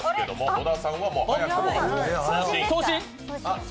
小田さんは早くも。